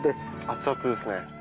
熱々ですね。